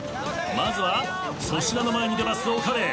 まずは粗品の前に出ます岡部。